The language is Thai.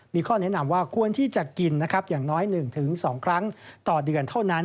มีข้อแนะนำว่าควรที่จะกินนะครับอย่างน้อย๑๒ครั้งต่อเดือนเท่านั้น